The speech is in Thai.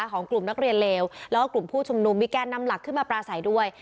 ของกลุ่มนักเรียนเลวแล้วก็กลุ่มผู้ชุมนุมมีแกนนำหลักขึ้นมาปลาใสด้วย